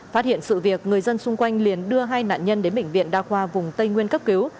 phát hiện sự việc người dân xung quanh liền đưa hai nạn nhân đến bệnh viện đa khoa vùng tây nguyên cấp cứu